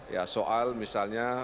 ya soal misalnya